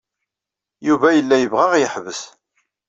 Yuba yella yebɣa ad aɣ-yeḥbes.